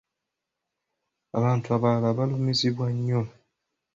Abantu abalala baalumizibwa nnyo.